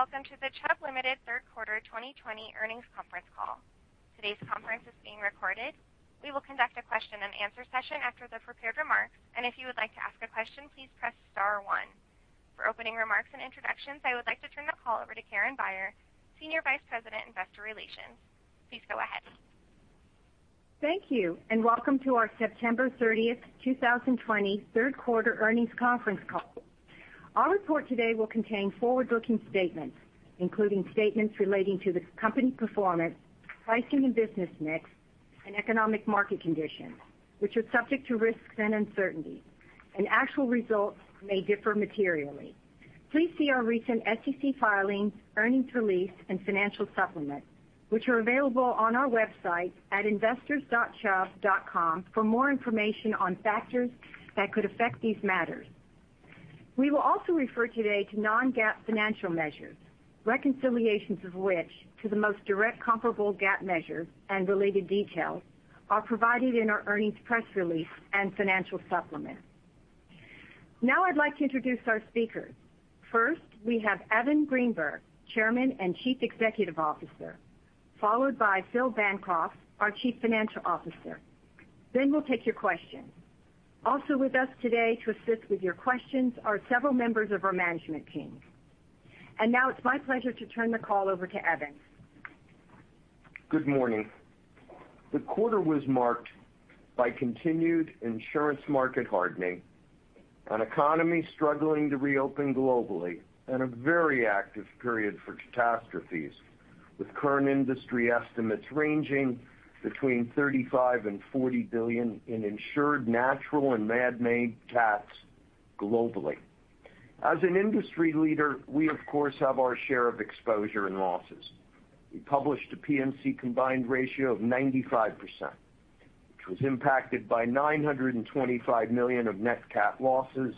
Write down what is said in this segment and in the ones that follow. Good day, and welcome to the Chubb Limited third quarter 2020 earnings conference call. Today's conference is being recorded. We will conduct a question-and-answer session after the prepared remarks. If you would like to ask a question please press star one. For opening remarks and introductions, I would like to turn the call over to Karen Beyer, Senior Vice President, Investor Relations. Please go ahead. Thank you, and welcome to our September 30th, 2020 third quarter earnings conference call. Our report today will contain forward-looking statements, including statements relating to the company's performance, pricing and business mix, and economic market conditions, which are subject to risks and uncertainty, and actual results may differ materially. Please see our recent SEC filings, earnings release, and financial supplement, which are available on our website at investors.chubb.com for more information on factors that could affect these matters. We will also refer today to non-GAAP financial measures, reconciliations of which to the most direct comparable GAAP measure and related details are provided in our earnings press release and financial supplement. Now I'd like to introduce our speakers. First, we have Evan Greenberg, Chairman and Chief Executive Officer, followed by Phil Bancroft, our Chief Financial Officer. We'll take your questions. Also with us today to assist with your questions are several members of our management team. Now it's my pleasure to turn the call over to Evan. Good morning. The quarter was marked by continued insurance market hardening, an economy struggling to reopen globally, and a very active period for catastrophes, with current industry estimates ranging between $35 billion and $40 billion in insured natural and manmade CATs globally. As an industry leader, we of course, have our share of exposure and losses. We published a P&C combined ratio of 95%, which was impacted by $925 million of net CAT losses.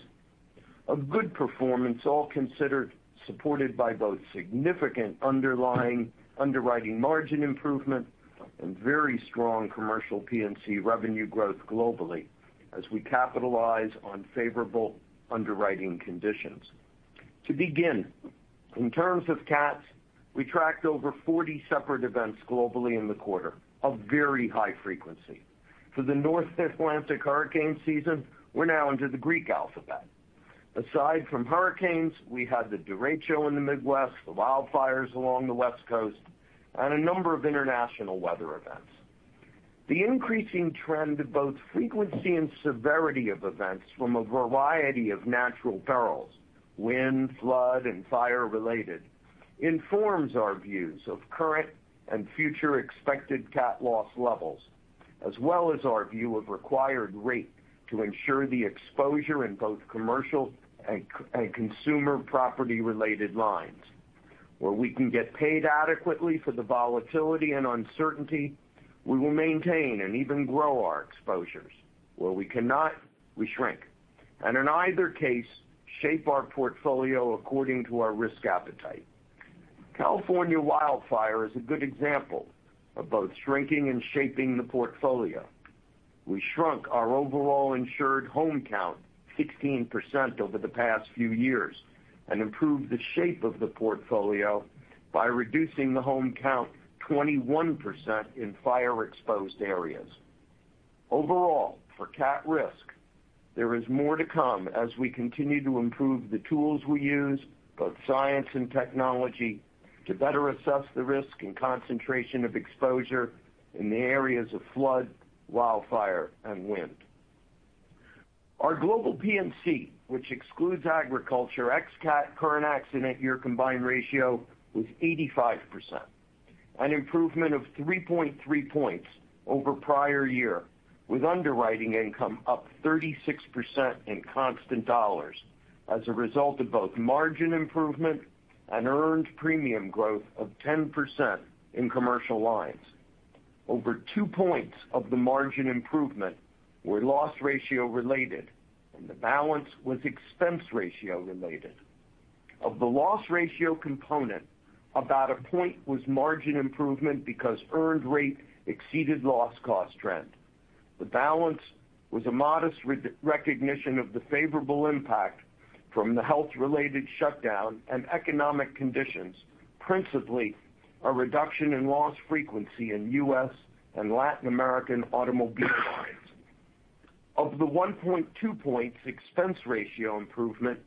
A good performance, all considered, supported by both significant underlying underwriting margin improvement and very strong commercial P&C revenue growth globally as we capitalize on favorable underwriting conditions. To begin, in terms of CATs, we tracked over 40 separate events globally in the quarter of very high frequency. For the North Atlantic hurricane season, we're now into the Greek alphabet. Aside from hurricanes, we had the derecho in the Midwest, the wildfires along the West Coast, and a number of international weather events. The increasing trend of both frequency and severity of events from a variety of natural perils, wind, flood, and fire related, informs our views of current and future expected CAT loss levels, as well as our view of required rate to ensure the exposure in both commercial and consumer property-related lines. Where we can get paid adequately for the volatility and uncertainty, we will maintain and even grow our exposures. Where we cannot, we shrink, and in either case, shape our portfolio according to our risk appetite. California wildfire is a good example of both shrinking and shaping the portfolio. We shrunk our overall insured home count 16% over the past few years and improved the shape of the portfolio by reducing the home count 21% in fire-exposed areas. Overall, for CAT risk, there is more to come as we continue to improve the tools we use, both science and technology, to better assess the risk and concentration of exposure in the areas of flood, wildfire, and wind. Our global P&C, which excludes agriculture, ex CAT current accident year combined ratio was 85%, an improvement of 3.3 points over prior year with underwriting income up 36% in constant dollars as a result of both margin improvement and earned premium growth of 10% in commercial lines. Over two points of the margin improvement were loss ratio related, and the balance was expense ratio related. Of the loss ratio component, about a point was margin improvement because earned rate exceeded loss cost trend. The balance was a modest recognition of the favorable impact from the health-related shutdown and economic conditions, principally a reduction in loss frequency in U.S. and Latin American automobile lines. Of the 1.2 points expense ratio improvement,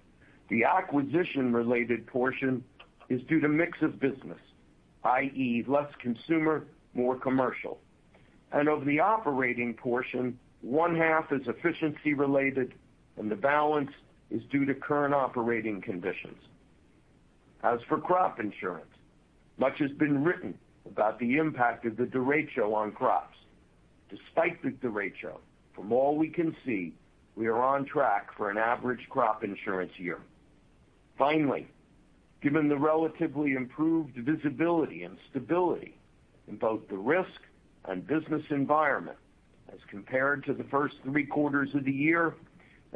the acquisition-related portion is due to mix of business, i.e., less consumer, more commercial. Of the operating portion, 0.5 is efficiency related and the balance is due to current operating conditions. As for crop insurance, much has been written about the impact of the derecho on crops. Despite the derecho, from all we can see, we are on track for an average crop insurance year. Finally, given the relatively improved visibility and stability in both the risk and business environment as compared to the first three quarters of the year,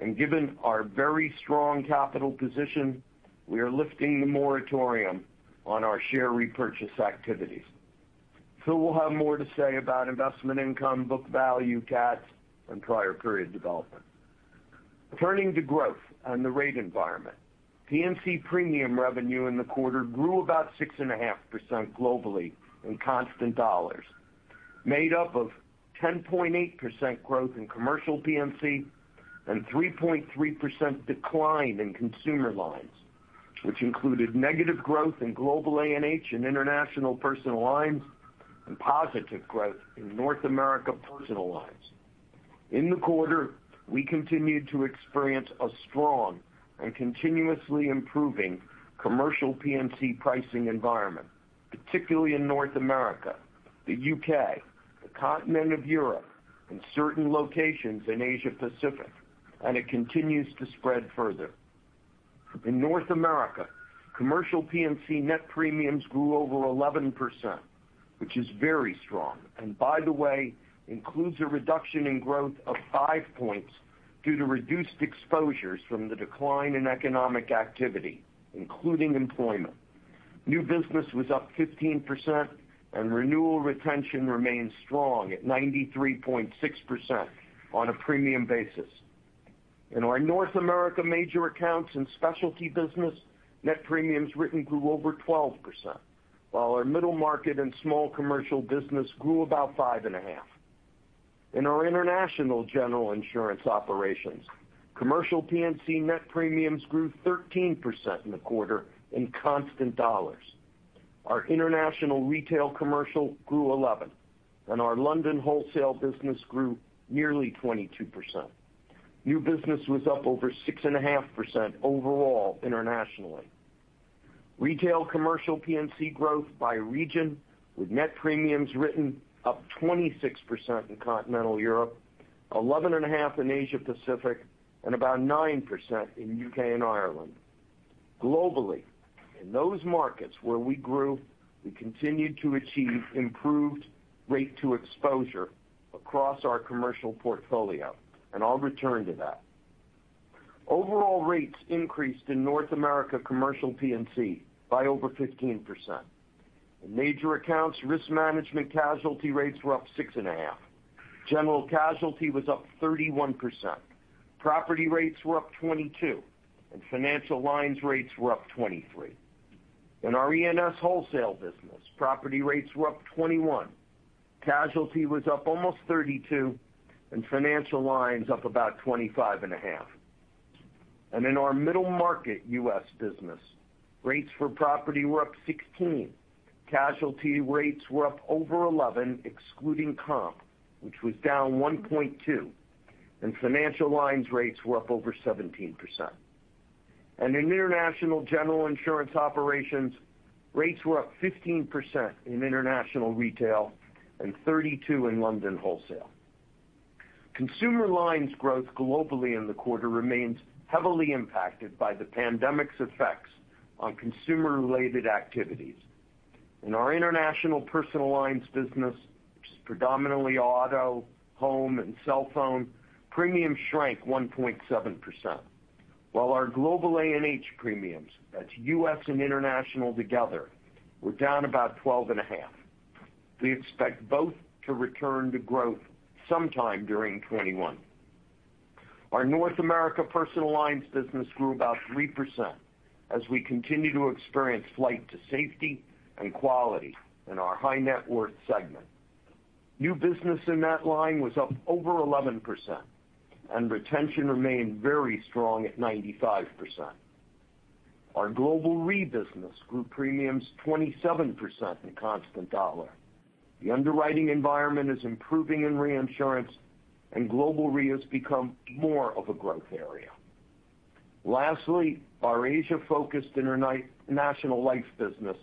and given our very strong capital position, we are lifting the moratorium on our share repurchase activities. Phil will have more to say about investment income, book value, CATs, and prior period development. Turning to growth and the rate environment. P&C premium revenue in the quarter grew about 6.5% globally in constant dollars, made up of 10.8% growth in commercial P&C and 3.3% decline in consumer lines, which included negative growth in global A&H and international personal lines and positive growth in North America personal lines. In the quarter, we continued to experience a strong and continuously improving commercial P&C pricing environment, particularly in North America, the U.K., the continent of Europe, and certain locations in Asia Pacific. It continues to spread further. In North America, commercial P&C net premiums grew over 11%, which is very strong, and by the way, includes a reduction in growth of five points due to reduced exposures from the decline in economic activity, including employment. New business was up 15% and renewal retention remains strong at 93.6% on a premium basis. In our North America major accounts and specialty business, net premiums written grew over 12%, while our middle market and small commercial business grew about 5.5%. In our international general insurance operations, commercial P&C net premiums grew 13% in the quarter in constant dollars. Our international retail commercial grew 11%, and our London wholesale business grew nearly 22%. New business was up over 6.5% overall internationally. Retail commercial P&C growth by region with net premiums written up 26% in continental Europe, 11.5% in Asia Pacific, and about 9% in U.K. and Ireland. Globally, in those markets where we grew, we continued to achieve improved rate to exposure across our commercial portfolio, and I'll return to that. Overall rates increased in North America commercial P&C by over 15%. In major accounts, risk management casualty rates were up 6.5%. General casualty was up 31%. Property rates were up 22%. Financial lines rates were up 23%. In our E&S wholesale business, property rates were up 21%. Casualty was up almost 32%. Financial lines up about 25.5%. In our middle market U.S. business, rates for property were up 16%. Casualty rates were up over 11%, excluding comp, which was down 1.2%. Financial lines rates were up over 17%. In international general insurance operations, rates were up 15% in international retail and 32% in London wholesale. Consumer lines growth globally in the quarter remains heavily impacted by the pandemic's effects on consumer-related activities. In our international personal lines business, which is predominantly auto, home, and cellphone, premiums shrank 1.7%, while our global A&H premiums, that's U.S. and international together, were down about 12.5%. We expect both to return to growth sometime during 2021. Our North America personal lines business grew about 3% as we continue to experience flight to safety and quality in our high-net-worth segment. New business in that line was up over 11% and retention remained very strong at 95%. Our Global Re business grew premiums 27% in constant dollar. The underwriting environment is improving in reinsurance. Global Re has become more of a growth area. Lastly, our Asia-focused international life business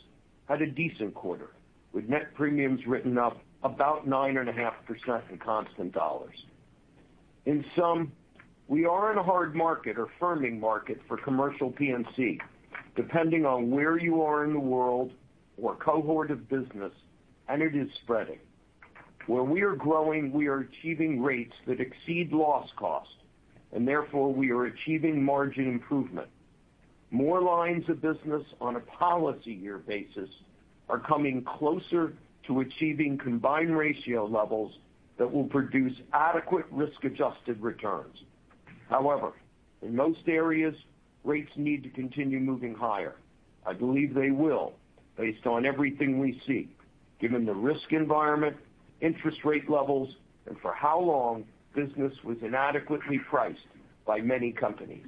had a decent quarter with net premiums written up about 9.5% in constant dollars. In sum, we are in a hard market or firming market for commercial P&C depending on where you are in the world or cohort of business. It is spreading. Where we are growing, we are achieving rates that exceed loss cost and therefore we are achieving margin improvement. More lines of business on a policy year basis are coming closer to achieving combined ratio levels that will produce adequate risk-adjusted returns. However, in most areas, rates need to continue moving higher. I believe they will based on everything we see, given the risk environment, interest rate levels, and for how long business was inadequately priced by many companies.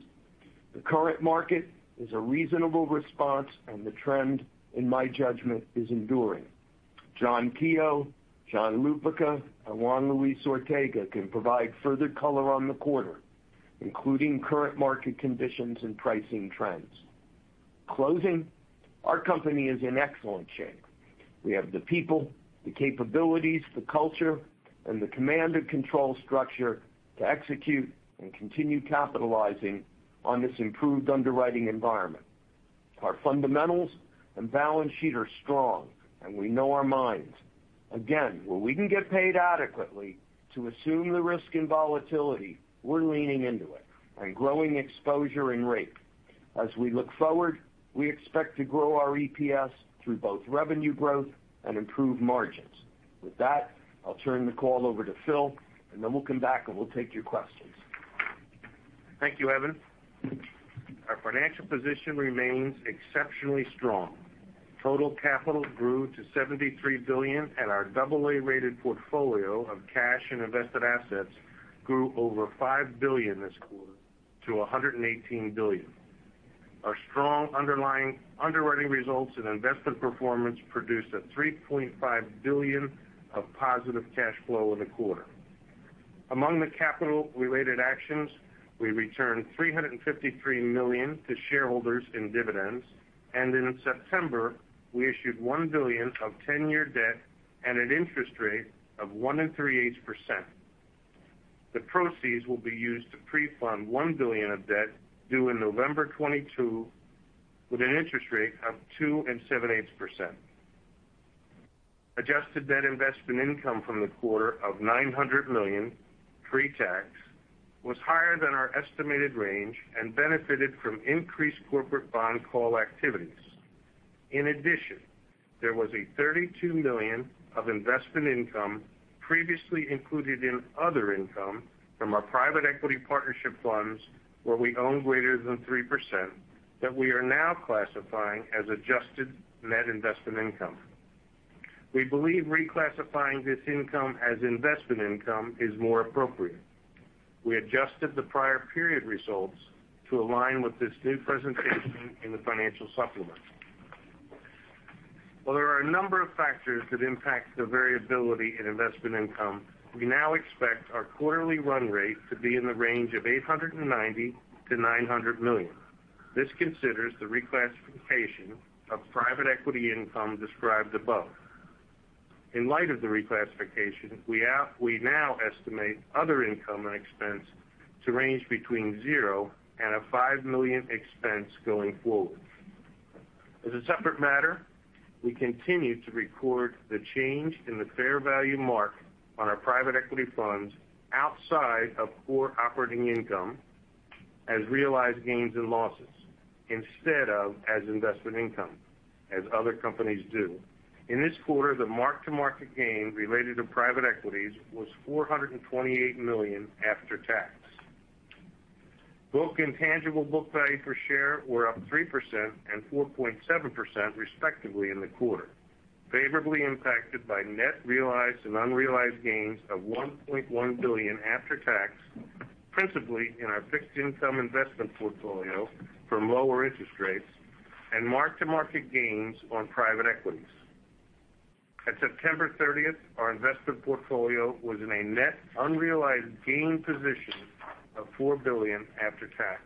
The current market is a reasonable response and the trend, in my judgment, is enduring. John Keogh, John Lupica, and Juan Luis Ortega can provide further color on the quarter, including current market conditions and pricing trends. Closing, our company is in excellent shape. We have the people, the capabilities, the culture, and the command and control structure to execute and continue capitalizing on this improved underwriting environment. Our fundamentals and balance sheet are strong, and we know our minds. Again, where we can get paid adequately to assume the risk and volatility, we're leaning into it and growing exposure and rate. As we look forward, we expect to grow our EPS through both revenue growth and improved margins. With that, I'll turn the call over to Phil, and then we'll come back and we'll take your questions. Thank you, Evan. Our financial position remains exceptionally strong. Total capital grew to $73 billion, and our double A-rated portfolio of cash and invested assets grew over $5 billion this quarter to $118 billion. Our strong underlying underwriting results and investment performance produced a $3.5 billion of positive cash flow in the quarter. Among the capital-related actions, we returned $353 million to shareholders in dividends, and in September, we issued $1 billion of 10-year debt at an interest rate of 1.375%. The proceeds will be used to pre-fund $1 billion of debt due in November 2022, with an interest rate of 2.875%. Adjusted net investment income from the quarter of $900 million pre-tax was higher than our estimated range and benefited from increased corporate bond call activities. In addition, there was a $32 million of investment income previously included in other income from our private equity partnership funds, where we own greater than 3%, that we are now classifying as adjusted net investment income. We believe reclassifying this income as investment income is more appropriate. We adjusted the prior period results to align with this new presentation in the financial supplement. While there are a number of factors that impact the variability in investment income, we now expect our quarterly run rate to be in the range of $890 million-$900 million. This considers the reclassification of private equity income described above. In light of the reclassification, we now estimate other income and expense to range between zero and a $5 million expense going forward. As a separate matter, we continue to record the change in the fair value mark on our private equity funds outside of core operating income as realized gains and losses instead of as investment income, as other companies do. In this quarter, the mark-to-market gain related to private equities was $428 million after tax. Book and tangible book value per share were up 3% and 4.7%, respectively, in the quarter, favorably impacted by net realized and unrealized gains of $1.1 billion after tax, principally in our fixed income investment portfolio from lower interest rates, and mark-to-market gains on private equities. At September 30th, our investment portfolio was in a net unrealized gain position of $4 billion after tax.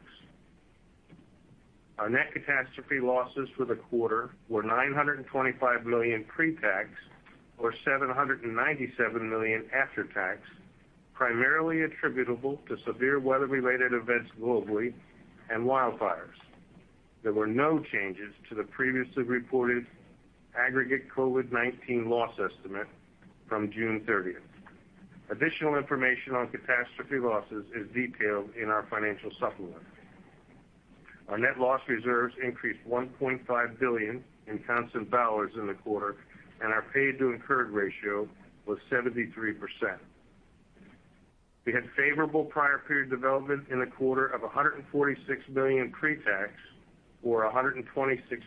Our net catastrophe losses for the quarter were $925 million pre-tax or $797 million after tax, primarily attributable to severe weather-related events globally and wildfires. There were no changes to the previously reported aggregate COVID-19 loss estimate from June 30th. Additional information on catastrophe losses is detailed in our financial supplement. Our net loss reserves increased $1.5 billion in constant dollars in the quarter, and our paid to incurred ratio was 73%. We had favorable prior period development in the quarter of $146 million pre-tax or $126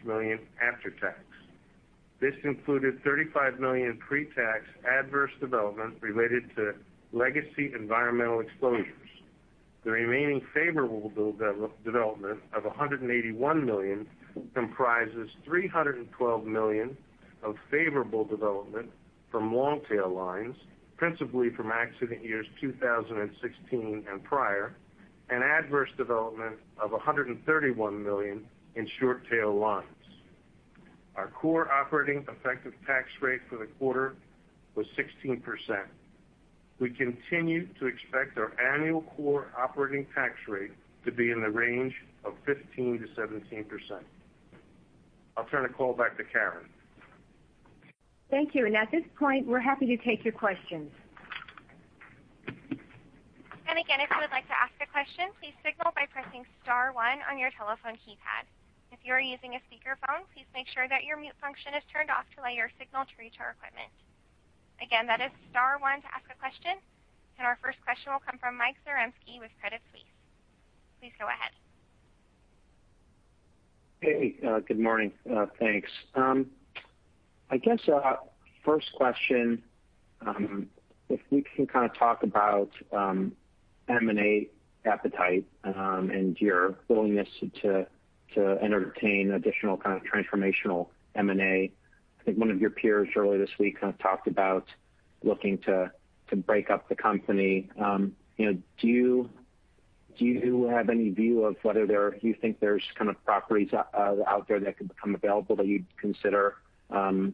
million after tax. This included $35 million pre-tax adverse development related to legacy environmental exposures. The remaining favorable development of $181 million comprises $312 million of favorable development from long-tail lines, principally from accident years 2016 and prior, and adverse development of $131 million in short-tail lines. Our core operating effective tax rate for the quarter was 16%. We continue to expect our annual core operating tax rate to be in the range of 15%-17%. I'll turn the call back to Karen. Thank you. At this point, we're happy to take your questions. Again, if you would like to ask a question, please signal by pressing star one on your telephone keypad. If you are using a speakerphone, please make sure that your mute function is turned off to allow your signal to reach our equipment. Again, that is star one to ask a question. Our first question will come from Mike Zaremski with Credit Suisse. Please go ahead. Hey, good morning. Thanks. I guess first question, if you can kind of talk about M&A appetite and your willingness to entertain additional kind of transformational M&A. I think one of your peers earlier this week kind of talked about looking to break up the company. Do you have any view of whether you think there's kind of properties out there that could become available that you'd consider engaging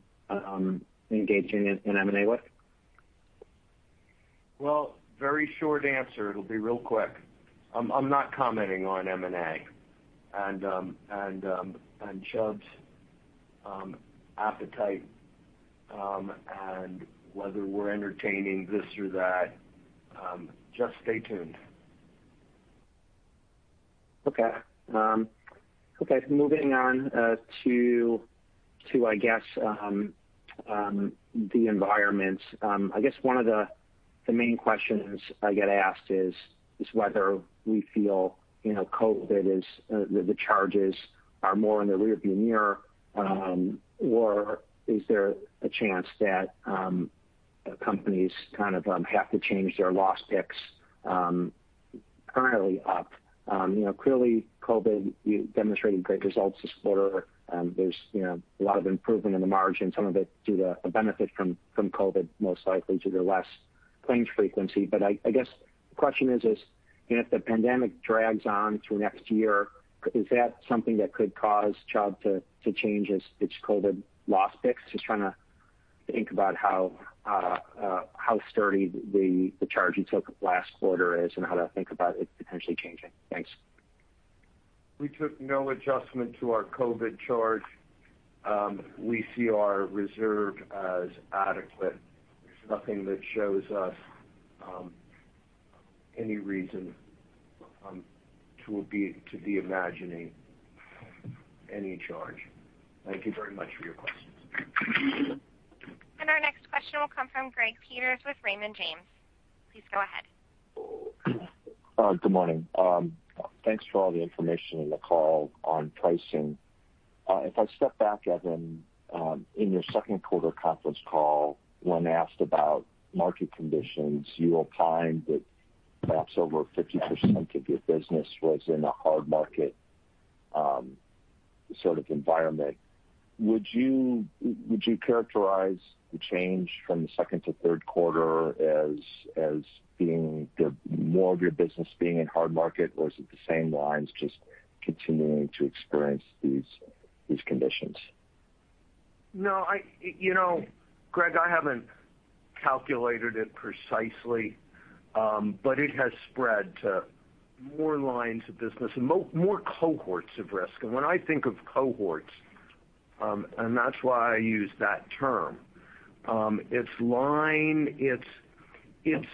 in M&A with? Well, very short answer. It'll be real quick. I'm not commenting on M&A. Appetite, and whether we're entertaining this or that. Just stay tuned. Okay. Moving on to, I guess, the environment. I guess one of the main questions I get asked is whether we feel COVID is, the charges are more in the rear view mirror, or is there a chance that companies kind of have to change their loss picks currently up? Clearly, COVID, you demonstrated great results this quarter. There's a lot of improvement in the margin, some of it due to the benefit from COVID, most likely due to less claims frequency. I guess the question is, if the pandemic drags on through next year, is that something that could cause Chubb to change its COVID loss picks? Just trying to think about how sturdy the charge you took last quarter is and how to think about it potentially changing. Thanks. We took no adjustment to our COVID charge. We see our reserve as adequate. There's nothing that shows us any reason to be imagining any charge. Thank you very much for your questions. Our next question will come from Greg Peters with Raymond James. Please go ahead. Good morning. Thanks for all the information in the call on pricing. If I step back, Evan, in your second quarter conference call, when asked about market conditions, you opined that perhaps over 50% of your business was in a hard market sort of environment. Would you characterize the change from the second to third quarter as more of your business being in hard market, or is it the same lines just continuing to experience these conditions? Greg, I haven't calculated it precisely, it has spread to more lines of business and more cohorts of risk. When I think of cohorts, that's why I use that term, it's line, it's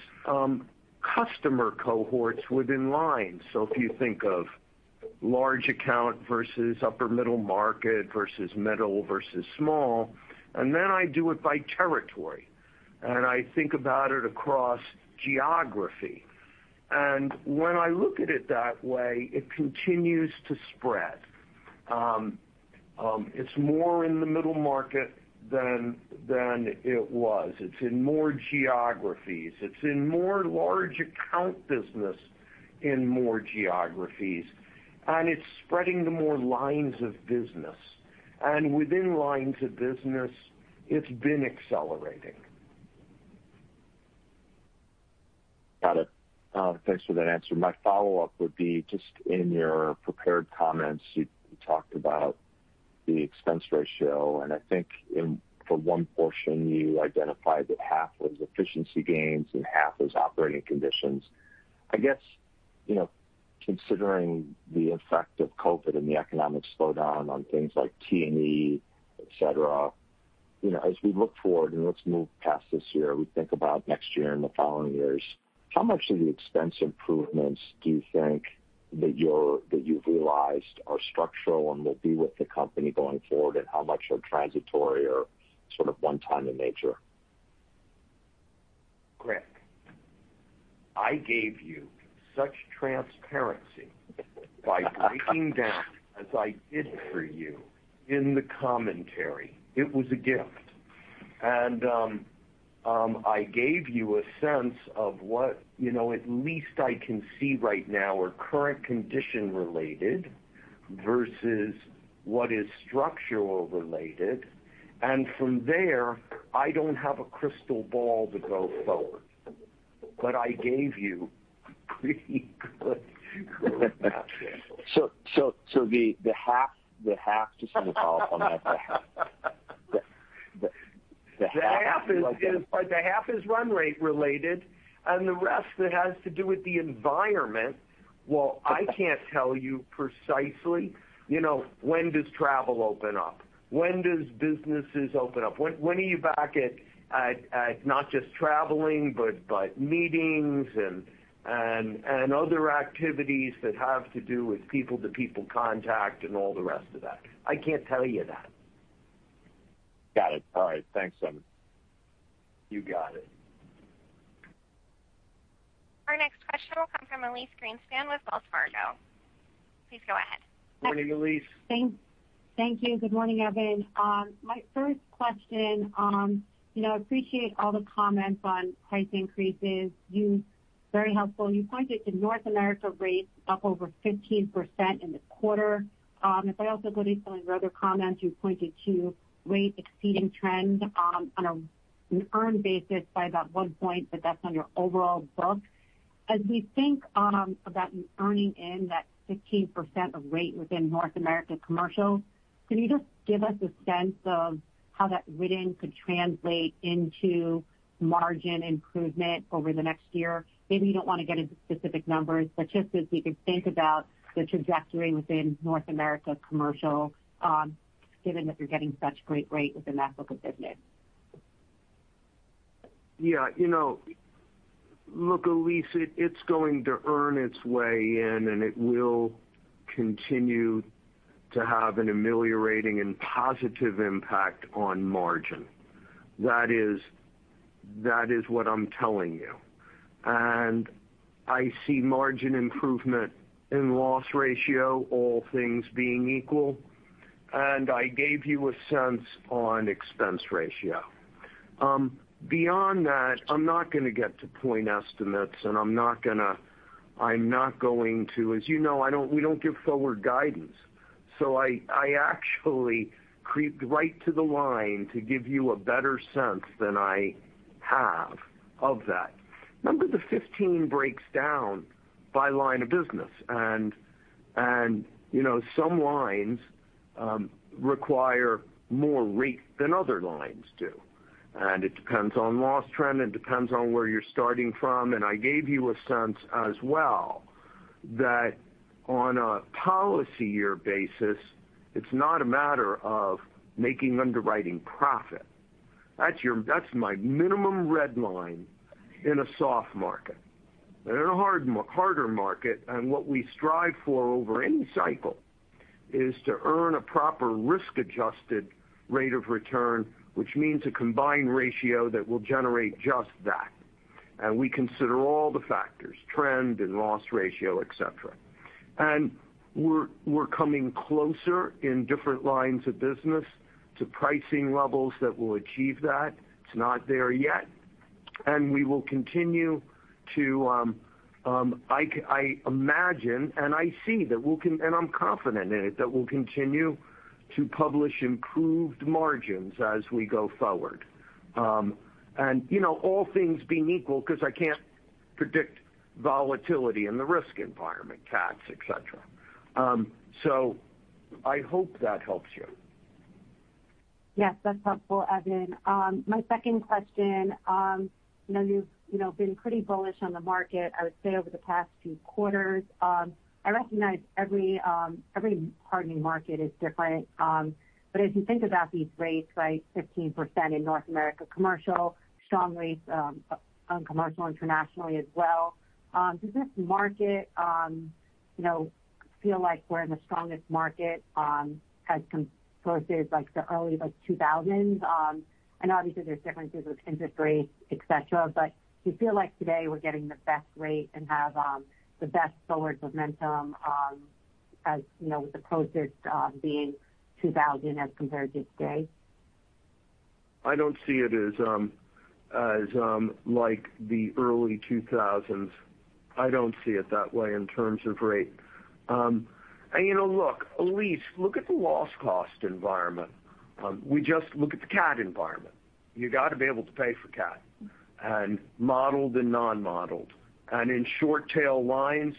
customer cohorts within lines. If you think of large account versus upper middle market versus middle versus small, I do it by territory, I think about it across geography. When I look at it that way, it continues to spread. It's more in the middle market than it was. It's in more geographies. It's in more large account business in more geographies, it's spreading to more lines of business. Within lines of business, it's been accelerating. Got it. Thanks for that answer. My follow-up would be just in your prepared comments, you talked about the expense ratio, and I think for one portion, you identified that half was efficiency gains and half was operating conditions. I guess, considering the effect of COVID and the economic slowdown on things like T&E, et cetera, as we look forward, and let's move past this year, we think about next year and the following years, how much of the expense improvements do you think that you've realized are structural and will be with the company going forward, and how much are transitory or sort of one-time in nature? Greg, I gave you such transparency by breaking down as I did for you in the commentary. It was a gift. I gave you a sense of what at least I can see right now are current condition related versus what is structural related. From there, I don't have a crystal ball to go forward. I gave you pretty good examples. The half to follow up on that, The half is run rate related, and the rest has to do with the environment. Well, I can't tell you precisely, when does travel open up? When does businesses open up? When are you back at not just traveling, but meetings and other activities that have to do with people-to-people contact and all the rest of that. I can't tell you that. Got it. All right. Thanks, Evan. You got it. Our next question will come from Elyse Greenspan with Wells Fargo. Please go ahead. Morning, Elyse. Thank you. Good morning, Evan. My first question, I appreciate all the comments on price increases. Very helpful. You pointed to North America rates up over 15% in the quarter. If I also go to some of your other comments, you pointed to rates exceeding trends on an earned basis by about one point, but that's on your overall book. As we think about earning in that 15% of rate within North America commercial, can you just give us a sense of how that written could translate into margin improvement over the next year? Maybe you don't want to get into specific numbers, but just as we could think about the trajectory within North America commercial, given that you're getting such great rate within that book of business. Yeah. Look, Elyse, it's going to earn its way in, it will continue to have an ameliorating and positive impact on margin. That is what I'm telling you. I see margin improvement in loss ratio, all things being equal, and I gave you a sense on expense ratio. Beyond that, I'm not going to get to point estimates. As you know, we don't give forward guidance. I actually creeped right to the line to give you a better sense than I have of that. Remember, the 15 breaks down by line of business, and some lines require more rate than other lines do. It depends on loss trend. It depends on where you're starting from. I gave you a sense as well that on a policy year basis, it's not a matter of making underwriting profit. That's my minimum red line in a soft market. In a harder market, what we strive for over any cycle is to earn a proper risk-adjusted rate of return, which means a combined ratio that will generate just that. We consider all the factors, trend and loss ratio, et cetera. We're coming closer in different lines of business to pricing levels that will achieve that. It's not there yet. We will continue to, I imagine, and I see that we can, and I'm confident in it, that we'll continue to publish improved margins as we go forward. All things being equal, because I can't predict volatility in the risk environment, cats, et cetera. I hope that helps you. Yes, that's helpful, Evan. My second question. You've been pretty bullish on the market, I would say, over the past two quarters. I recognize every hardening market is different. As you think about these rates, 15% in North America commercial, strong rates on commercial internationally as well. Does this market feel like we're in the strongest market as compared to the early 2000s? Obviously there's differences with industry, et cetera, but do you feel like today we're getting the best rate and have the best forward momentum as we proposed it being 2000 as compared to today? I don't see it as like the early 2000s. I don't see it that way in terms of rate. Look, Elyse, look at the loss cost environment. We just look at the CAT environment. You got to be able to pay for CAT, and modeled and non-modeled. In short-tail lines,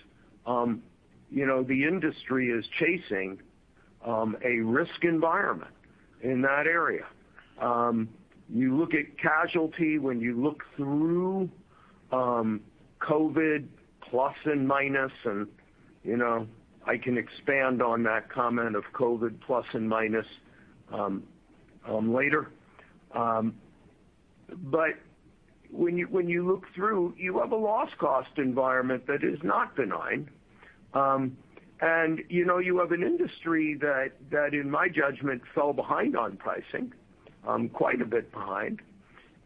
the industry is chasing a risk environment in that area. You look at casualty when you look through COVID plus and minus, and I can expand on that comment of COVID plus and minus later. When you look through, you have a loss cost environment that is not benign. You have an industry that, in my judgment, fell behind on pricing, quite a bit behind.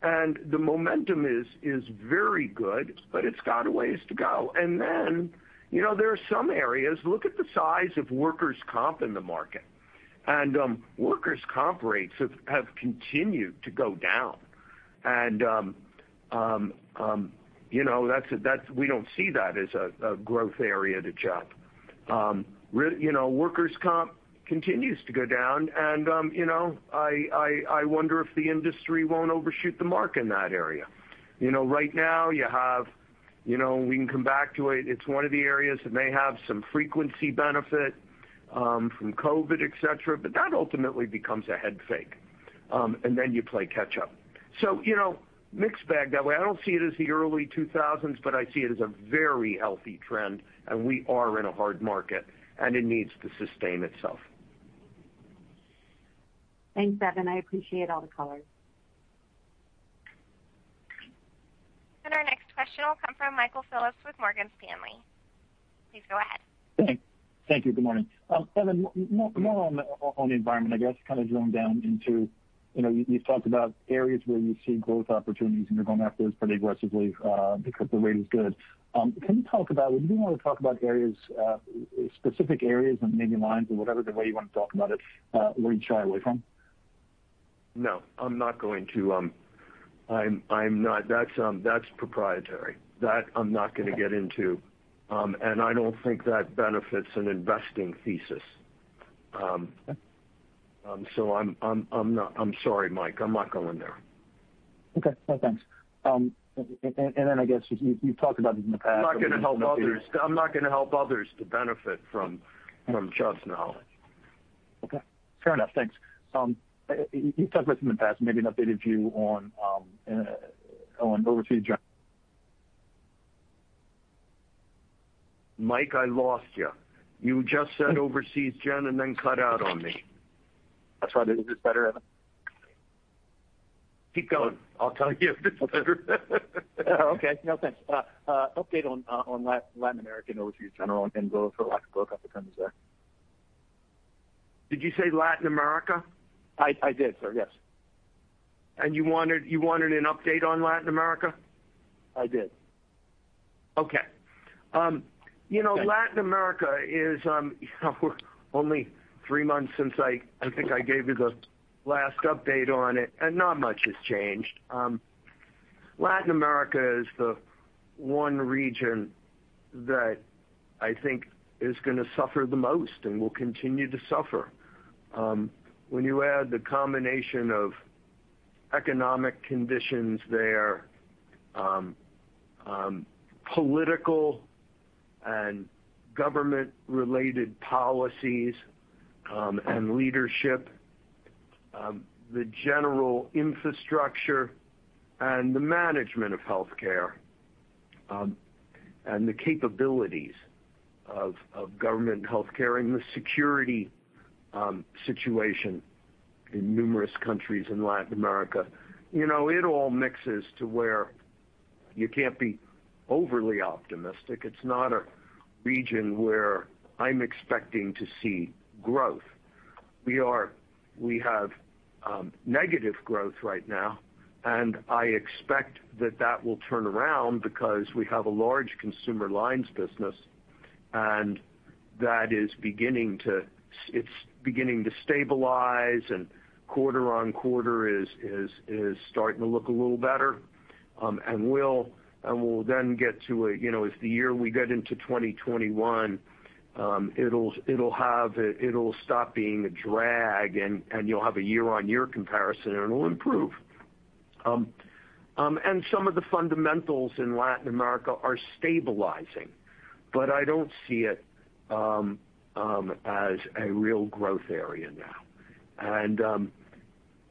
The momentum is very good, but it's got a ways to go. There are some areas, look at the size of workers' comp in the market, and workers' comp rates have continued to go down. We don't see that as a growth area to Chubb. Workers' comp continues to go down, and I wonder if the industry won't overshoot the mark in that area. Right now, we can come back to it. It's one of the areas that may have some frequency benefit from COVID, et cetera, but that ultimately becomes a head fake, and then you play catch up. Mixed bag that way. I don't see it as the early 2000s, but I see it as a very healthy trend, and we are in a hard market, and it needs to sustain itself. Thanks, Evan. I appreciate all the color. Our next question will come from Michael Phillips with Morgan Stanley. Please go ahead. Thanks. Thank you. Good morning. Evan, more on the environment, I guess, kind of drilling down into, you've talked about areas where you see growth opportunities, and you're going after those pretty aggressively because the rate is good. Can you talk about, would you be able to talk about areas, specific areas or maybe lines or whatever, the way you want to talk about it where you shy away from? No, I'm not going to. That's proprietary. That I'm not going to get into. I don't think that benefits an investing thesis. Okay. I'm sorry, Mike, I'm not going there. Okay. Well, thanks. I guess you've talked about this in the past. I'm not going to help others to benefit from Chubb's knowledge. Okay. Fair enough. Thanks. You've talked about this in the past, maybe an updated view on Overseas Gen? Mike, I lost you. You just said Overseas General and then cut out on me. That's right. Is this better, Evan? Keep going. I'll tell you if it's better. Oh, okay. No, thanks. Update on Latin American Overseas General and growth for lack of a better term there. Did you say Latin America? I did, sir. Yes. You wanted an update on Latin America? I did. Okay. Latin America is, we are only three months since I think I gave you the last update on it, and not much has changed. Latin America is the one region that I think is going to suffer the most and will continue to suffer. When you add the combination of economic conditions there, political and government-related policies, and leadership, the general infrastructure, and the management of healthcare, and the capabilities of government healthcare, and the security situation in numerous countries in Latin America, it all mixes to where you cannot be overly optimistic. It is not a region where I am expecting to see growth. We have negative growth right now, and I expect that that will turn around because we have a large consumer lines business, and it is beginning to stabilize, and quarter-on-quarter is starting to look a little better. As the year we get into 2021, it'll stop being a drag, and you'll have a year-on-year comparison, and it'll improve. Some of the fundamentals in Latin America are stabilizing, but I don't see it as a real growth area now.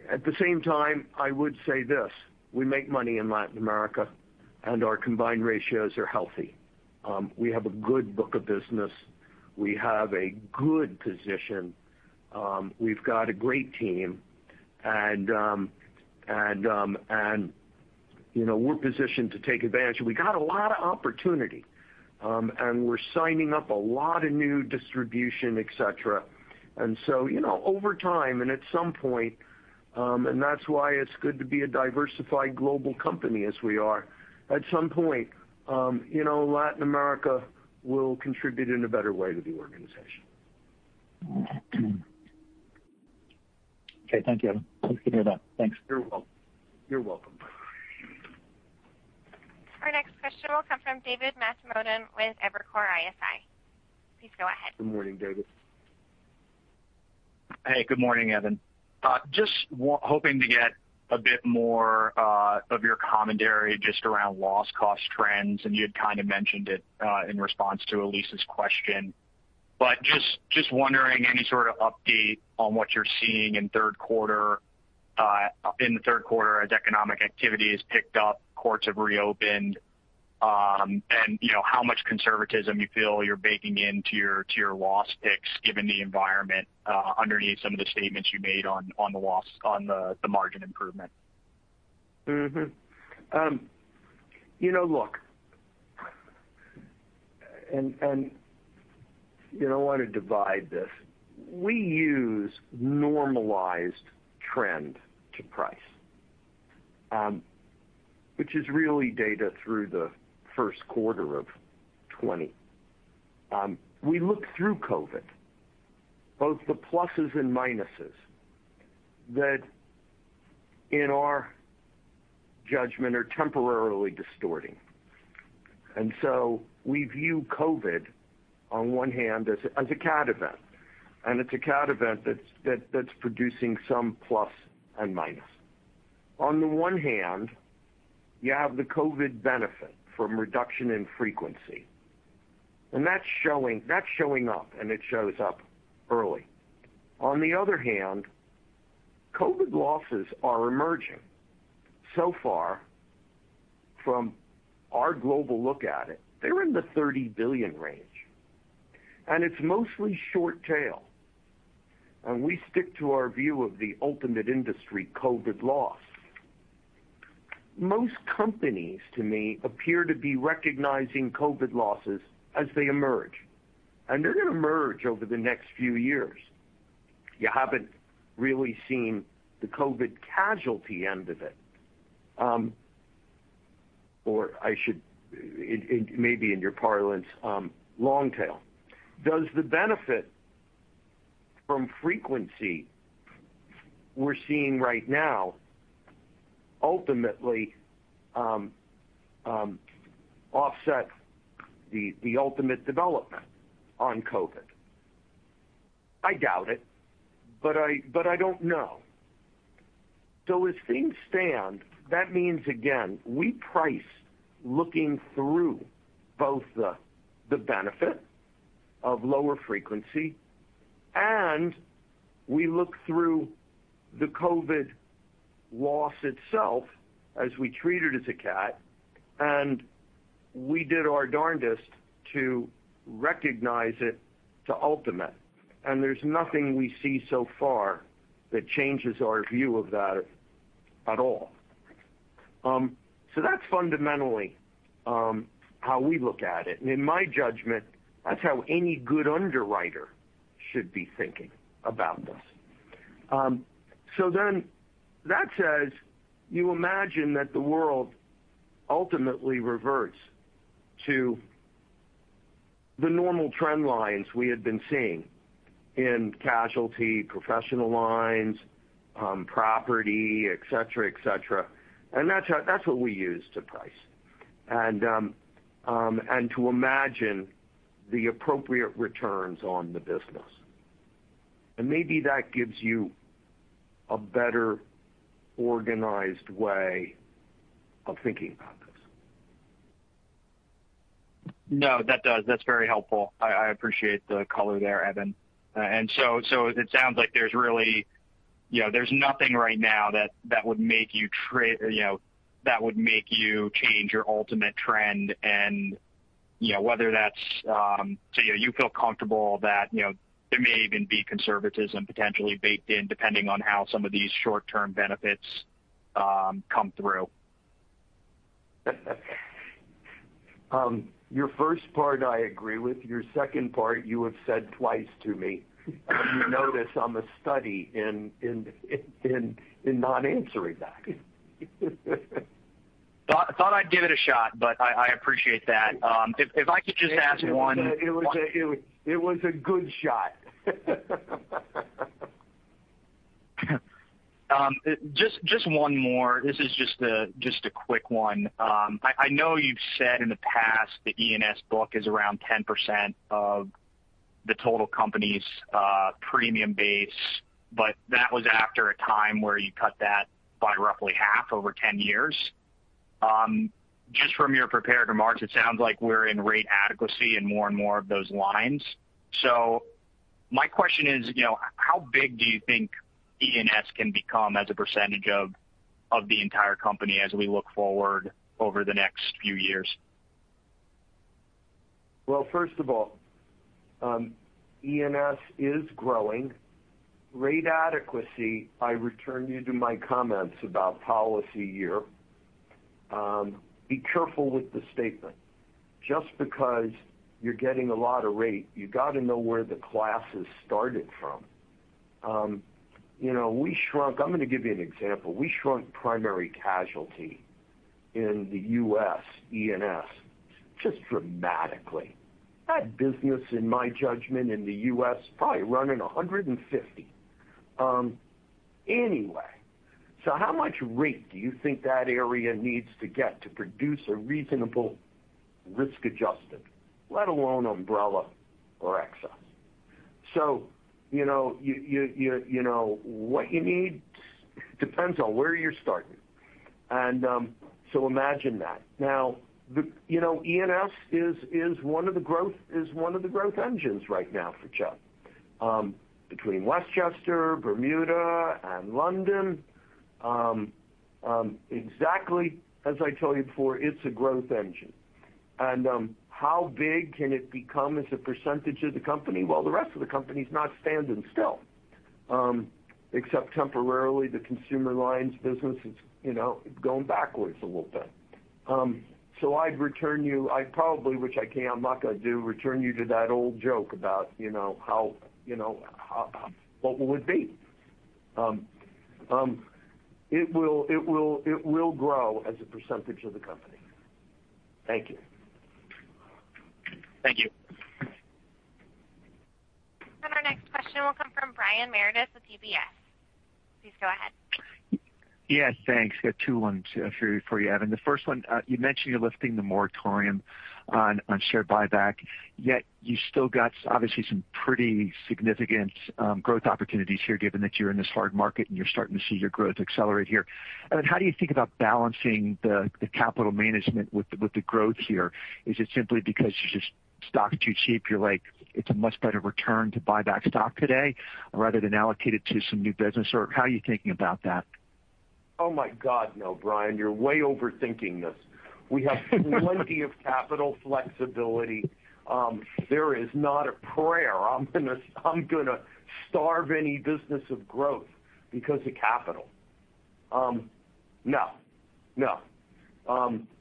At the same time, I would say this, we make money in Latin America, and our combined ratios are healthy. We have a good book of business. We have a good position. We've got a great team, and we're positioned to take advantage. We got a lot of opportunity, and we're signing up a lot of new distribution, et cetera. Over time, and at some point, and that's why it's good to be a diversified global company as we are. At some point Latin America will contribute in a better way to the organization. Okay, thank you. It's good to hear that. Thanks. You're welcome. Our next question will come from David Motemaden with Evercore ISI. Please go ahead. Good morning, David. Hey, good morning, Evan. Just hoping to get a bit more of your commentary just around loss cost trends, and you had kind of mentioned it in response to Elyse's question, but just wondering any sort of update on what you're seeing in the third quarter as economic activity has picked up, courts have reopened, and how much conservatism you feel you're baking into your loss picks given the environment underneath some of the statements you made on the margin improvement. I want to divide this. We use normalized trend to price, which is really data through the first quarter of 2020. We look through COVID, both the pluses and minuses that, in our judgment, are temporarily distorting. We view COVID, on one hand, as a CAT event. It's a CAT event that's producing some plus and minus. On the one hand, you have the COVID benefit from reduction in frequency. That's showing up, and it shows up early. On the other hand, COVID losses are emerging. So far, from our global look at it, they're in the $30 billion range, and it's mostly short tail. We stick to our view of the ultimate industry COVID loss. Most companies, to me, appear to be recognizing COVID losses as they emerge, and they're going to emerge over the next few years. You haven't really seen the COVID casualty end of it. I should, it may be in your parlance, long tail. Does the benefit from frequency we're seeing right now ultimately offset the ultimate development on COVID? I doubt it, but I don't know. As things stand, that means, again, we price looking through both the benefit of lower frequency, and we look through the COVID loss itself as we treat it as a CAT, and we did our darndest to recognize it to ultimate. There's nothing we see so far that changes our view of that at all. That's fundamentally how we look at it. In my judgment, that's how any good underwriter should be thinking about this. That says, you imagine that the world ultimately reverts to the normal trend lines we had been seeing in casualty, professional lines, property, et cetera. That's what we use to price and to imagine the appropriate returns on the business. Maybe that gives you a better organized way of thinking about this. No, that does. That's very helpful. I appreciate the color there, Evan. It sounds like there's nothing right now that would make you change your ultimate trend. You feel comfortable that there may even be conservatism potentially baked in, depending on how some of these short-term benefits come through. Your first part, I agree with. Your second part, you have said twice to me. You notice I'm a study in not answering that. Thought I'd give it a shot, but I appreciate that. It was a good shot. Just one more. This is just a quick one. I know you've said in the past the E&S book is around 10% of the total company's premium base, but that was after a time where you cut that by roughly half over 10 years. Just from your prepared remarks, it sounds like we're in rate adequacy in more and more of those lines. My question is, how big do you think E&S can become as a percentage of the entire company as we look forward over the next few years? First of all, E&S is growing. Rate adequacy, I return you to my comments about policy year. Be careful with the statement. Just because you're getting a lot of rate, you got to know where the classes started from. I'm going to give you an example. We shrunk primary casualty in the U.S., E&S, just dramatically. That business, in my judgment, in the U.S., probably running 150 anyway. How much rate do you think that area needs to get to produce a reasonable risk-adjusted, let alone umbrella or excess? What you need depends on where you're starting. Imagine that. E&S is one of the growth engines right now for Chubb. Between Westchester, Bermuda, and London, exactly as I told you before, it's a growth engine. How big can it become as a percentage of the company while the rest of the company's not standing still? Except temporarily, the consumer lines business is going backwards a little bit. I'd return you to that old joke about what will it be. It will grow as a percentage of the company. Thank you. Thank you. Our next question will come from Brian Meredith with UBS. Please go ahead. Yes, thanks. Got two ones for you, Evan. The first one, you mentioned you're lifting the moratorium on share buyback, yet you still got obviously some pretty significant growth opportunities here, given that you're in this hard market and you're starting to see your growth accelerate here. Evan, how do you think about balancing the capital management with the growth here? Is it simply because you're just stock too cheap, you're like, it's a much better return to buy back stock today rather than allocate it to some new business, or how are you thinking about that? Oh, my God, no, Brian, you're way overthinking this. We have plenty of capital flexibility. There is not a prayer I'm going to starve any business of growth because of capital. No.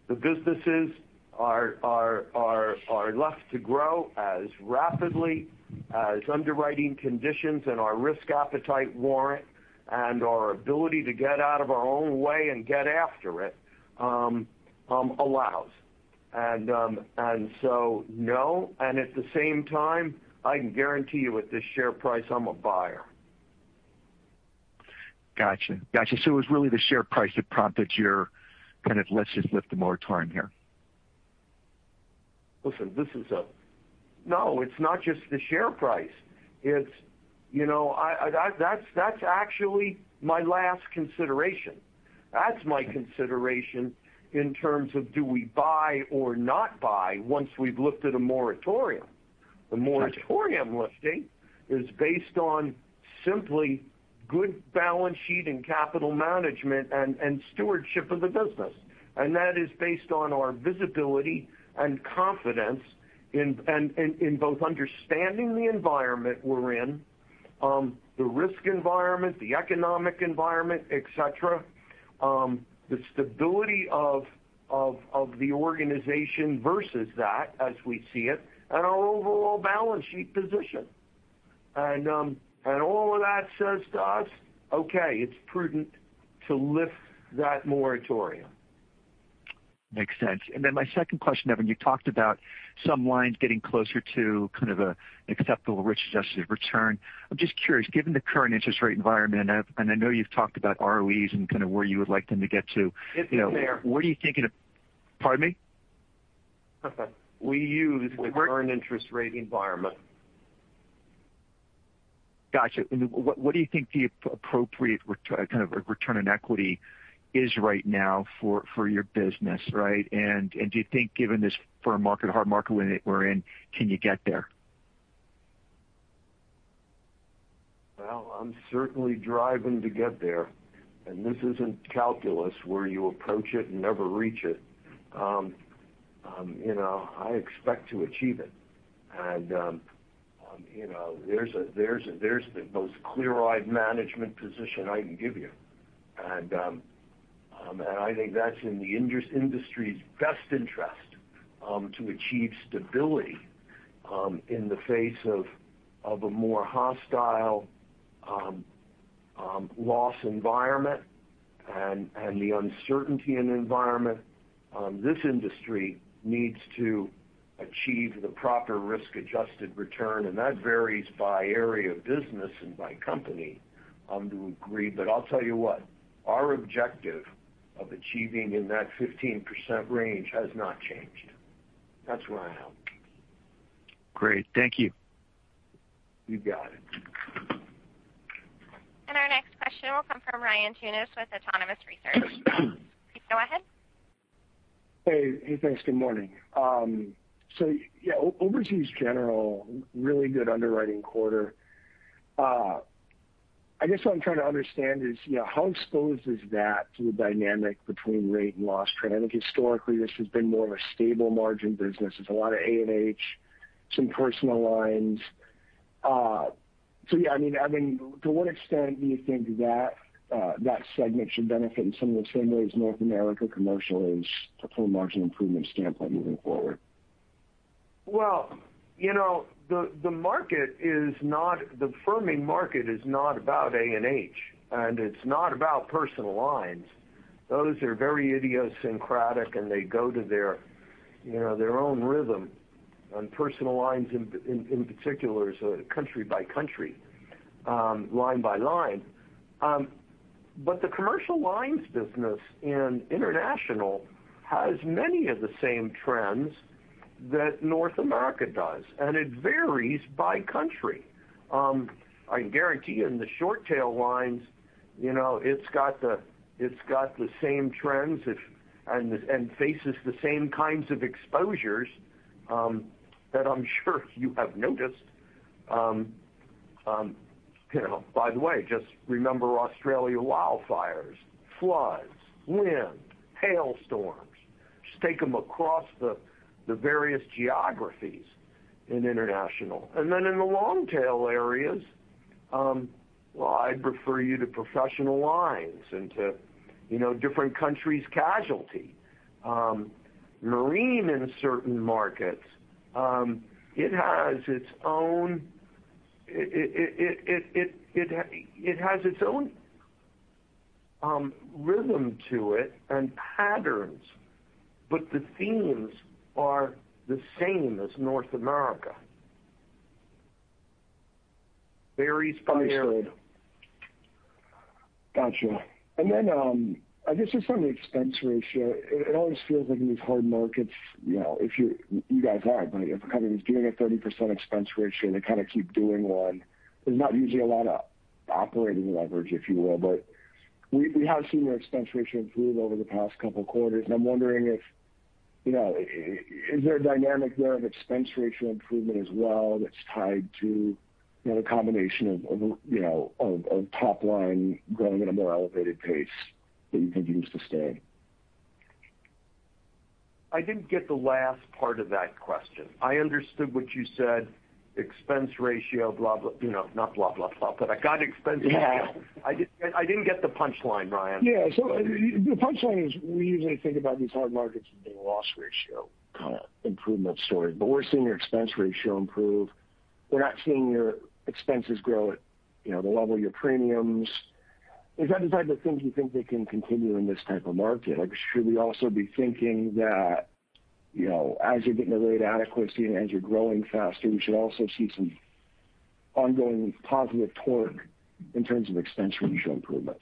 The businesses are left to grow as rapidly as underwriting conditions and our risk appetite warrant, and our ability to get out of our own way and get after it allows. No, and at the same time, I can guarantee you at this share price, I'm a buyer. Got you. It was really the share price that prompted your kind of, let's just lift the moratorium here. Listen, no, it's not just the share price. That's actually my last consideration in terms of do we buy or not buy once we've looked at a moratorium. The moratorium lifting is based on simply good balance sheet and capital management and stewardship of the business. That is based on our visibility and confidence in both understanding the environment we're in, the risk environment, the economic environment, et cetera, the stability of the organization versus that as we see it, and our overall balance sheet position. All of that says to us, okay, it's prudent to lift that moratorium. Makes sense. My second question, Evan, you talked about some lines getting closer to kind of an acceptable risk-adjusted return. I'm just curious, given the current interest rate environment, and I know you've talked about ROEs and kind of where you would like them to get to. Getting there. what are you thinking of. Pardon me? Perfect. We use the current interest rate environment. Got you. What do you think the appropriate kind of return on equity is right now for your business, right? Do you think given this firm market, hard market we're in, can you get there? Well, I'm certainly driving to get there. This isn't calculus where you approach it and never reach it. I expect to achieve it. There's the most clear-eyed management position I can give you. I think that's in the industry's best interest to achieve stability in the face of a more hostile loss environment and the uncertainty in the environment. This industry needs to achieve the proper risk-adjusted return, and that varies by area of business and by company to a degree. I'll tell you what, our objective of achieving in that 15% range has not changed. That's where I am. Great. Thank you. You got it. Our next question will come from Ryan Tunis with Autonomous Research. Please go ahead. Hey, thanks. Good morning. Yeah, Overseas General, really good underwriting quarter. I guess what I'm trying to understand is how exposed is that to the dynamic between rate and loss trend? I think historically, this has been more of a stable margin business. It's a lot of A&H, some personal lines. Yeah, Evan, to what extent do you think that segment should benefit in some of the same ways North America Commercial is from a margin improvement standpoint moving forward? Well, the firming market is not about A&H, and it's not about personal lines. Those are very idiosyncratic, and they go to their own rhythm. Personal lines in particular is country by country, line by line. The commercial lines business in international has many of the same trends that North America does, and it varies by country. I can guarantee you in the short tail lines, it's got the same trends and faces the same kinds of exposures that I'm sure you have noticed. By the way, just remember Australia wildfires, floods, wind, hailstorms. Just take them across the various geographies in international. Then in the long-tail areas, well, I'd refer you to professional lines and to different countries' casualty. Marine in certain markets. It has its own rhythm to it and patterns, but the themes are the same as North America. Varies by area. Understood. Got you. Just on the expense ratio, it always feels like in these hard markets, if a company's doing a 30% expense ratio, they kind of keep doing one. There's not usually a lot of operating leverage, if you will. We have seen your expense ratio improve over the past couple of quarters, and I'm wondering if, is there a dynamic there of expense ratio improvement as well that's tied to the combination of top line growing at a more elevated pace that you think you can sustain? I didn't get the last part of that question. I understood what you said, expense ratio, blah. Not blah blah blah, but I got expense ratio. Yeah. I didn't get the punchline, Ryan. The punchline is we usually think about these hard markets as being a loss ratio kind of improvement story, but we're seeing your expense ratio improve. We're not seeing your expenses grow at the level of your premiums. Is that the type of thing you think that can continue in this type of market? Should we also be thinking that as you're getting the rate adequacy and as you're growing faster, we should also see some ongoing positive torque in terms of expense ratio improvement?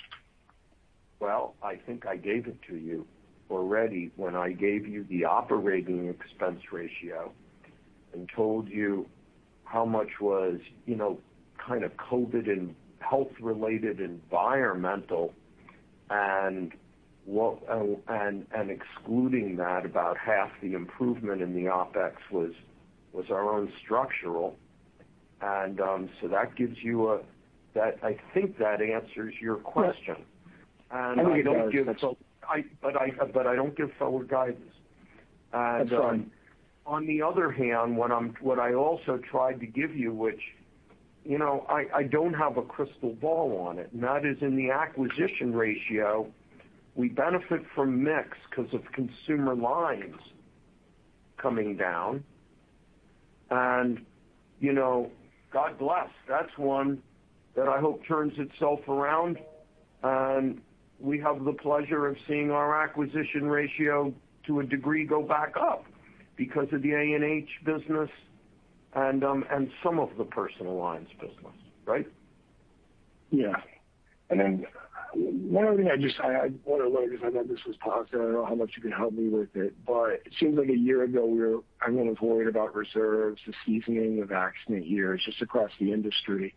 I think I gave it to you already when I gave you the operating expense ratio. Told you how much was COVID and health-related environmental, and excluding that, about half the improvement in the OpEx was our own structural. I think that answers your question. Yes. I think it does. I don't give forward guidance. That's fine. On the other hand, what I also tried to give you, which I don't have a crystal ball on it, and that is in the acquisition ratio, we benefit from mix because of consumer lines coming down. God bless, that's one that I hope turns itself around, and we have the pleasure of seeing our acquisition ratio, to a degree, go back up because of the A&H business and some of the personal lines business. Right? Yeah. Then one other thing, I thought this was positive. I don't know how much you can help me with it seems like a year ago, everyone was worried about reserves, the seasoning of accident years just across the industry.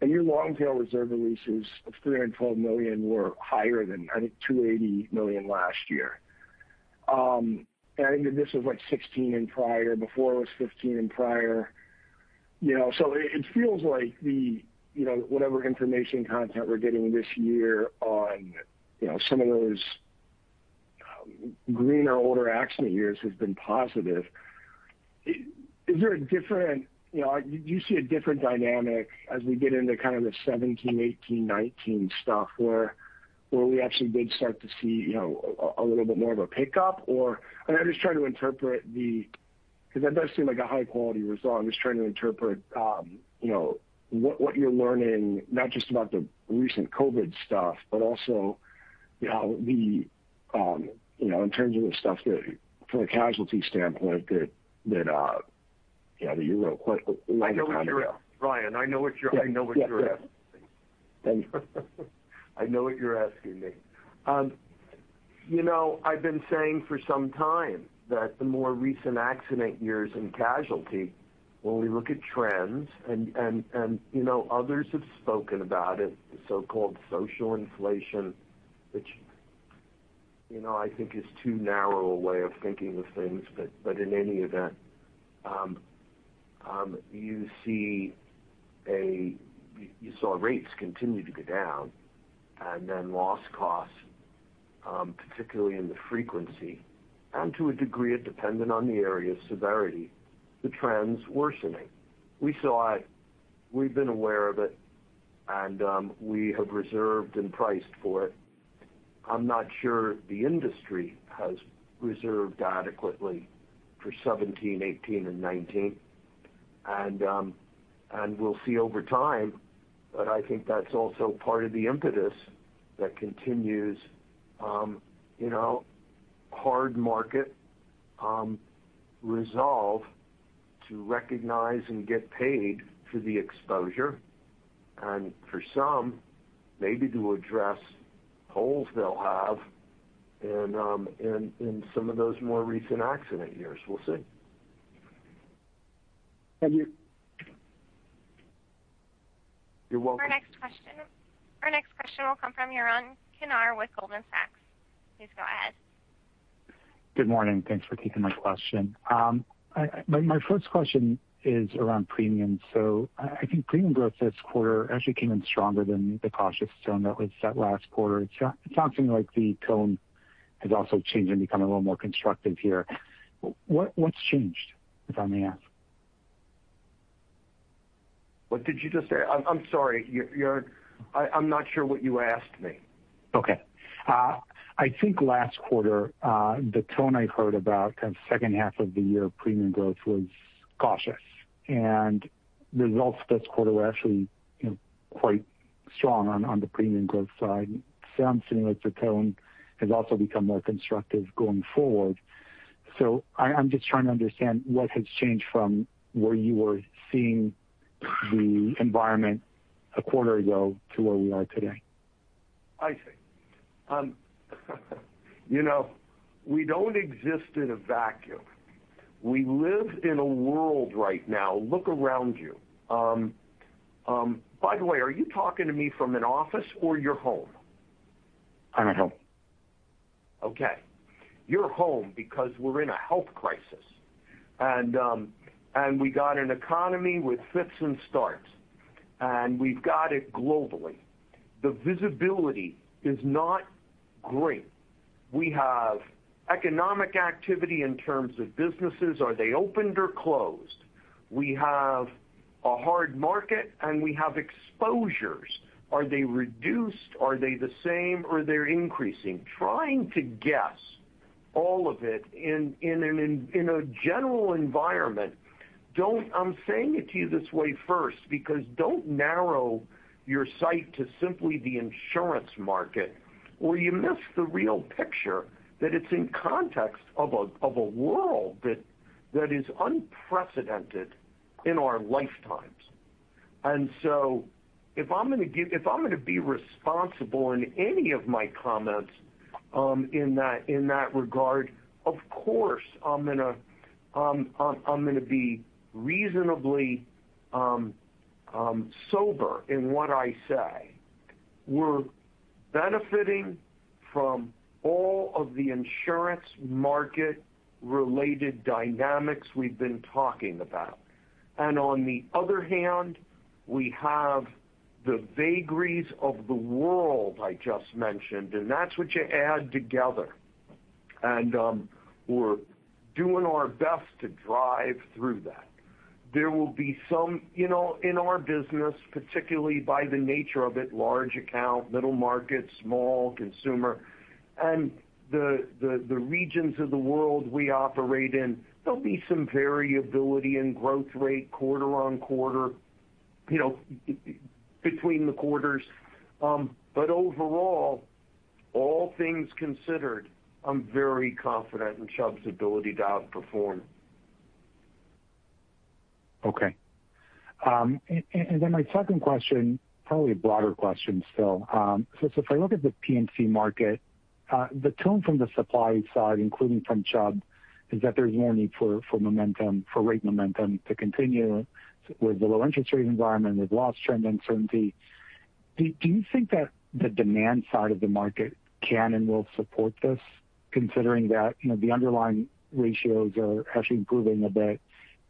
Your long-tail reserve releases of $312 million were higher than, I think, $280 million last year. I think that this was like 2016 and prior. Before, it was 2015 and prior. It feels like whatever information content we're getting this year on some of those greener, older accident years has been positive. Do you see a different dynamic as we get into kind of the 2017, 2018, 2019 stuff, where we actually did start to see a little bit more of a pickup? That does seem like a high-quality result. I'm just trying to interpret what you're learning, not just about the recent COVID stuff, but also in terms of the stuff from a casualty standpoint that you were quite long on. Ryan, I know what you're asking. Yeah. I know what you're asking me. I've been saying for some time that the more recent accident years in casualty, when we look at trends, and others have spoken about it, the so-called social inflation, which I think is too narrow a way of thinking of things. In any event, you saw rates continue to go down and then loss costs, particularly in the frequency, and to a degree of dependent on the area's severity, the trends worsening. We saw it, we've been aware of it, and we have reserved and priced for it. I'm not sure the industry has reserved adequately for 2017, 2018 and 2019. We'll see over time, but I think that's also part of the impetus that continues hard market resolve to recognize and get paid for the exposure, and for some, maybe to address holes they'll have in some of those more recent accident years. We'll see. Thank you. You're welcome. Our next question will come from Yaron Kinar with Goldman Sachs. Please go ahead. Good morning. Thanks for taking my question. My first question is around premiums. I think premium growth this quarter actually came in stronger than the cautious tone that was set last quarter. It's sounding like the tone has also changed and become a little more constructive here. What's changed, if I may ask? What did you just say? I'm sorry. I'm not sure what you asked me. Okay. I think last quarter, the tone I heard about kind of second half of the year premium growth was cautious, and the results this quarter were actually quite strong on the premium growth side, and it sounds to me like the tone has also become more constructive going forward. I'm just trying to understand what has changed from where you were seeing the environment a quarter ago to where we are today. I see. We don't exist in a vacuum. We live in a world right now. Look around you. By the way, are you talking to me from an office or your home? I'm at home. Okay. You're home because we're in a health crisis. We got an economy with fits and starts, and we've got it globally. The visibility is not great. We have economic activity in terms of businesses. Are they opened or closed? We have a hard market, and we have exposures. Are they reduced? Are they the same, or they're increasing? Trying to guess all of it in a general environment, I'm saying it to you this way first, because don't narrow your sight to simply the insurance market or you miss the real picture that it's in context of a world that is unprecedented in our lifetimes. If I'm going to be responsible in any of my comments in that regard, of course, I'm going to be reasonably sober in what I say. We're benefiting from all of the insurance market-related dynamics we've been talking about. On the other hand, we have the vagaries of the world I just mentioned, and that's what you add together. We're doing our best to drive through that. In our business, particularly by the nature of it, large account, middle market, small consumer, and the regions of the world we operate in, there'll be some variability in growth rate quarter on quarter, between the quarters. Overall, all things considered, I'm very confident in Chubb's ability to outperform. Okay. Then my second question, probably a broader question still. If I look at the P&C market, the tone from the supply side, including from Chubb, is that there's more need for rate momentum to continue with the low interest rate environment, with loss trend uncertainty. Do you think that the demand side of the market can and will support this, considering that the underlying ratios are actually improving a bit,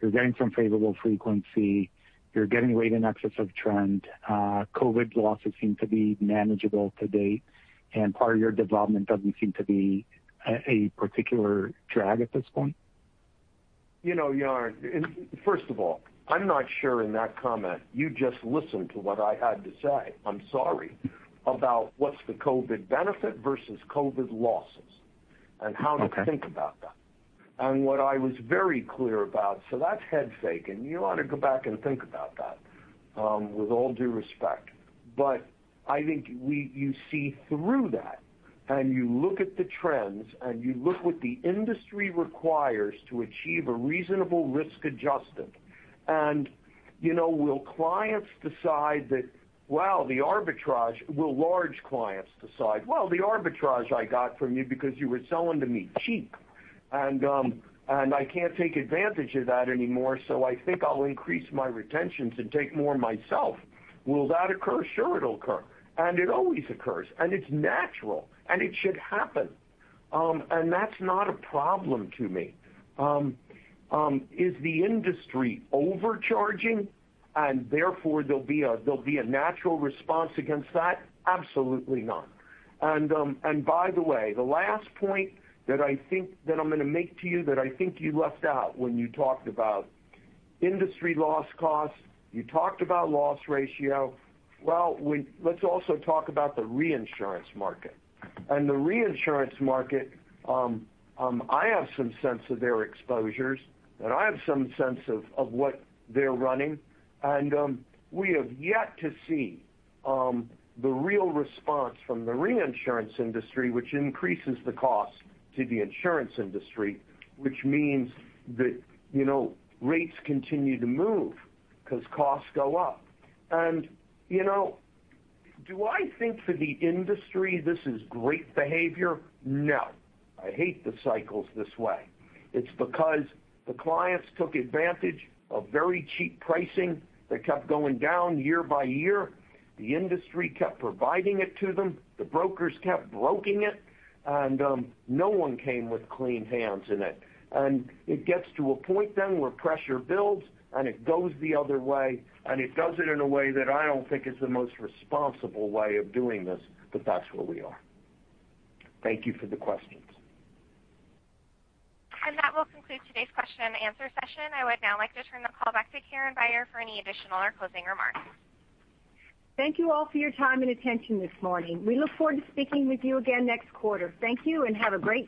you're getting some favorable frequency, you're getting rate in excess of trend, COVID losses seem to be manageable to date, and part of your development doesn't seem to be a particular drag at this point? Yaron, first of all, I'm not sure in that comment you just listened to what I had to say, I'm sorry, about what's the COVID benefit versus COVID losses and how to think about that. What I was very clear about, so that's head fake, you ought to go back and think about that, with all due respect. I think you see through that, you look at the trends, you look what the industry requires to achieve a reasonable risk adjustment. Will large clients decide, "Well, the arbitrage I got from you because you were selling to me cheap, and I can't take advantage of that anymore, so I think I'll increase my retentions and take more myself." Will that occur? Sure, it'll occur. It always occurs, it's natural, it should happen. That's not a problem to me. Is the industry overcharging and therefore there'll be a natural response against that? Absolutely not. By the way, the last point that I'm going to make to you that I think you left out when you talked about industry loss costs, you talked about loss ratio. Well, let's also talk about the reinsurance market. The reinsurance market, I have some sense of their exposures, and I have some sense of what they're running. We have yet to see the real response from the reinsurance industry, which increases the cost to the insurance industry, which means that rates continue to move because costs go up. Do I think for the industry this is great behavior? No. I hate the cycles this way. It's because the clients took advantage of very cheap pricing that kept going down year by year. The industry kept providing it to them. The brokers kept broking it, and no one came with clean hands in it. It gets to a point then where pressure builds, and it goes the other way, and it does it in a way that I don't think is the most responsible way of doing this, but that's where we are. Thank you for the questions. That will conclude today's question-and-answer session. I would now like to turn the call back to Karen Beyer for any additional or closing remarks. Thank you all for your time and attention this morning. We look forward to speaking with you again next quarter. Thank you and have a great day.